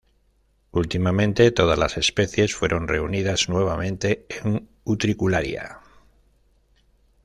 Últimamente todas las especies fueron reunidas nuevamente en "Utricularia".